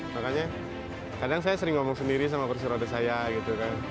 makanya kadang saya sering ngomong sendiri sama kursi roda saya gitu kan